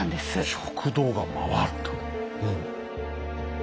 食堂が回るとうん。